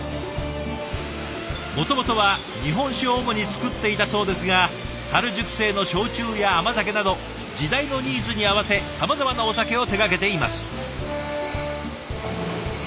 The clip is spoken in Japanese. もともとは日本酒を主に作っていたそうですがたる熟成の焼酎や甘酒など時代のニーズに合わせさまざまなお酒を手がけています。